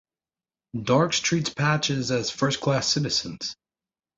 Darcs treats patches as first-class citizens.